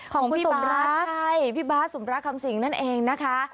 ของพี่สมรักใช่พี่บาทสมรักคำสิงนั่นเองนะคะ